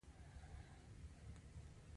ماشین روان دی